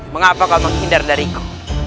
mengapa kau menghindar dariku